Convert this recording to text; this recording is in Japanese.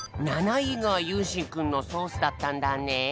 ７いがゆうしんくんのソースだったんだね。